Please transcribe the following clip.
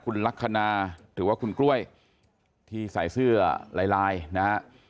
คุณลักษณะหรือว่าคุณกล้วยที่ใส่เสื้อลายลายนะฮะ